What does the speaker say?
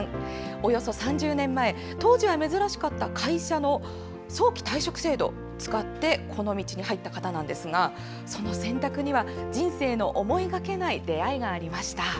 およそ３０年前当時は珍しかった会社の早期退職制度を使ってこの道に入った方なんですがその選択には、人生の思いがけない出会いがありました。